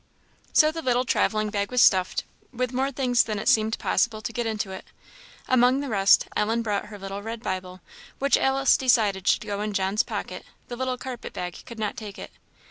So the little travelling bag was stuffed, with more things than it seemed possible to get into it. Among the rest, Ellen brought her little red Bible, which Alice decided should go in John's pocket; the little carpet bag could not take it.